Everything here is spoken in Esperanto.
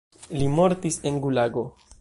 Li mortis en gulago.